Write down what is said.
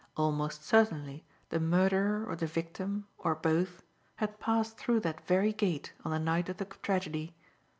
Almost certainly, the murderer or the victim or both, had passed through that very gate on the night of the tragedy.